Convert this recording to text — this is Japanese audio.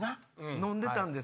飲んでたんです。